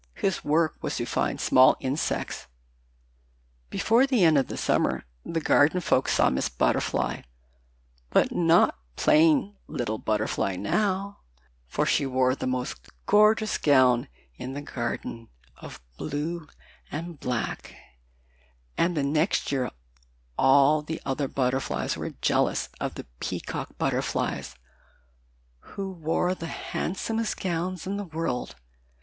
His work was to find small insects. Before the end of the summer the garden folk saw Miss Butterfly, but not plain little Butterfly now, for she wore the most gorgeous gown in the garden, of blue and black, and the next year all the other butterflies were jealous of the Peacock Butterflies, who wore the handsomest gowns in the world.